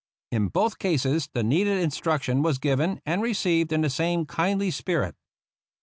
In both cases the needed instruction was given and received in the same kindly spirit.